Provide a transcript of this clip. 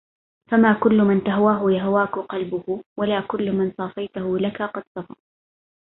فما كل من تهواه يهواك قلبه... ولا كل من صافيته لك قد صفا